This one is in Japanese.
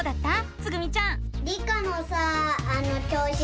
つぐみちゃん。